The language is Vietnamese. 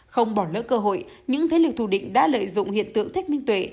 không bỏ lỡ cơ hội những thế lực thù địch đã lợi dụng hiện tượng thích minh tuệ